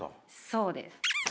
そうです。